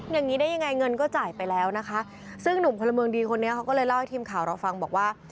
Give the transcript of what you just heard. อย่างนี้ได้ยังไงเงินก็จ่ายไปแล้วนะคะซึ่งหนุ่มพลเมืองดีคนนี้เขาก็เลยเล่าให้ทีมข่าวเราฟังบอกว่า